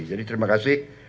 jadi terima kasih